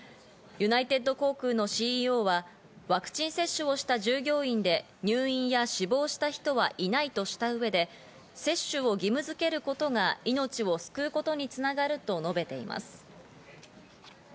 ユナイテッド航空のＣＥＯは、ワクチン接種をした従業員で入院や死亡した人はいないとした上で、接種を義務づけることが命を救うことに繋がると述べています。